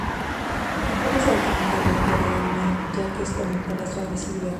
Tampoco se recomienda golpear al animal, ya que esto aumentará su agresividad.